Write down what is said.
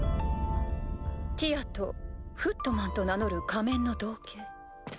ティアとフットマンと名乗る仮面の道化。